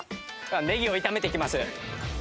ネギを炒めていきます。